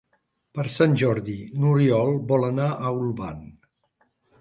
Per Sant Jordi n'Oriol vol anar a Olvan.